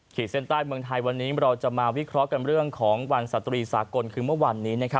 เส้นใต้เมืองไทยวันนี้เราจะมาวิเคราะห์กันเรื่องของวันสตรีสากลคือเมื่อวานนี้